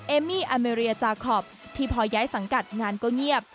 เอมี่อเมรียจาคอปที่พอย้ายสังกัดงานก็เงียบ